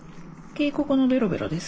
警告のベロベロです。